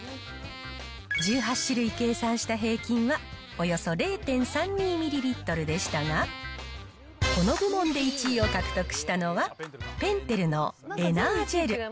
１８種類計算した平均は、およそ０．３２ミリリットルでしたが、この部門で１位を獲得したのは、ぺんてるのエナージェル。